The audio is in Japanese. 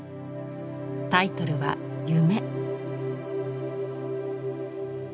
タイトルは「夢」。